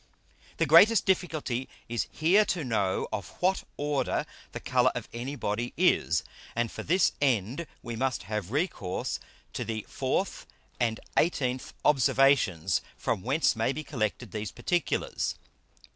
The greatest difficulty is here to know of what Order the Colour of any Body is. And for this end we must have recourse to the 4th and 18th Observations; from whence may be collected these particulars.